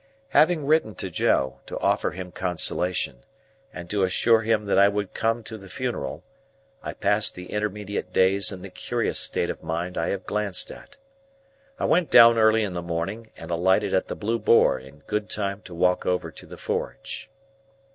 Having written to Joe, to offer him consolation, and to assure him that I would come to the funeral, I passed the intermediate days in the curious state of mind I have glanced at. I went down early in the morning, and alighted at the Blue Boar in good time to walk over to the forge.